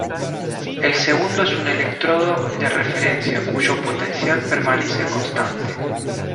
El segundo es un electrodo de referencia cuyo potencial permanece constante.